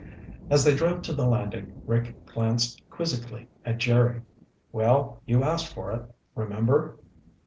As they drove to the landing, Rick glanced quizzically at Jerry. "Well, you asked for it. Remember?"